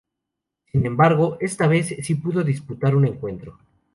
Sin embargo, esta vez sí pudo disputar un encuentro.